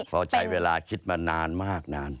พอใช้เวลาคิดมานานมากนาน